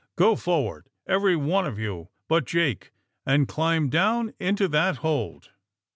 Go forward, everyone of you, but Jake, and climb down into that hold!"